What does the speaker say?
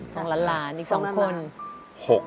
ของหลานอีก๒คน